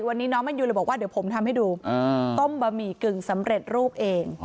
วันนี้น้องแมนยูเลยบอกว่าเดี๋ยวผมทำให้ดูต้มบะหมี่กึ่งสำเร็จรูปเอง